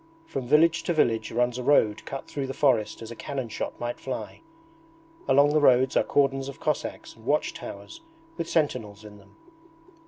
From village to village runs a road cut through the forest as a cannon shot might fly. Along the roads are cordons of Cossacks and watch towers with sentinels in them.